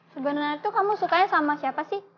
sebenernya tuh kamu sukanya sama siapa sih